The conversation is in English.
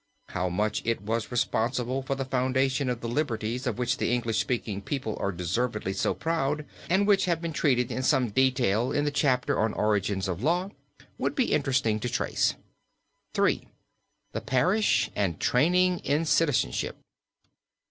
How much it was responsible for the foundation of the liberties of which the English speaking people are deservedly so proud, and which have been treated in some detail in the chapter on Origins in Law, would be interesting to trace. III. THE PARISH, AND TRAINING IN CITIZENSHIP.